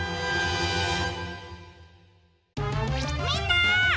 みんな！